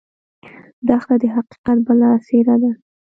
دښته د حقیقت بله څېره ده.